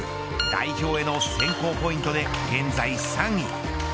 代表への選考ポイントで現在３位。